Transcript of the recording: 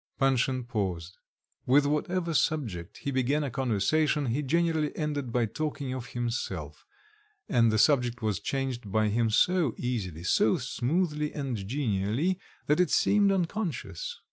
Panshin paused. With whatever subject he began a conversation, he generally ended by talking of himself, and the subject was changed by him so easily, so smoothly and genially, that it seemed unconscious.